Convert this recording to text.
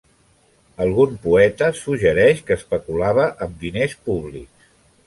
Algun poeta suggereix que especulava amb diners públics.